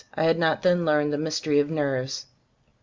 I had not then learned the mystery of nerves.